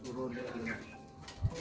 suruh dia mas